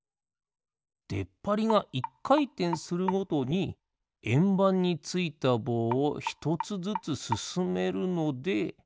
でっぱりが１かいてんするごとにえんばんについたぼうをひとつずつすすめるので。